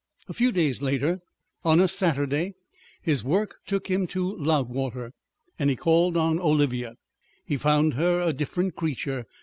A few days later, on a Saturday, his work took him to Loudwater, and he called on Olivia. He found her a different creature.